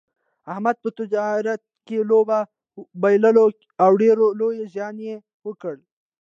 احمد په تجارت کې لوبه بایلوله او ډېر لوی زیان یې وکړ.